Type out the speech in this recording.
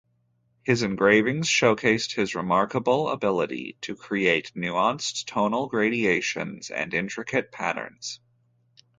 His engravings showcased his remarkable ability to create nuanced tonal gradations and intricate patterns.